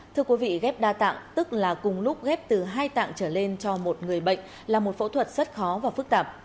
thưa quý vị ghép đa tạng tức là cùng lúc ghép từ hai tạng trở lên cho một người bệnh là một phẫu thuật rất khó và phức tạp